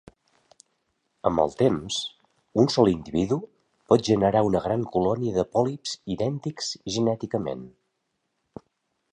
Amb el temps, un sol individu pot generar una gran colònia de pòlips idèntics genèticament.